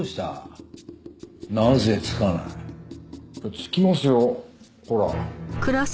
つきますよほら。